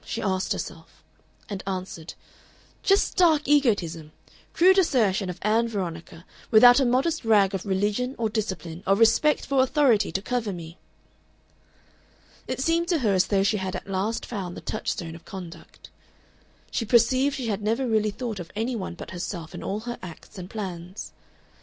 she asked herself, and answered, "Just stark egotism, crude assertion of Ann Veronica, without a modest rag of religion or discipline or respect for authority to cover me!" It seemed to her as though she had at last found the touchstone of conduct. She perceived she had never really thought of any one but herself in all her acts and plans.